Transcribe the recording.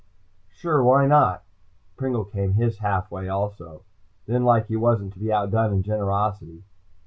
"Sure, why not?" Pringle came his half way also. Then, like he wasn't to be outdone in generosity.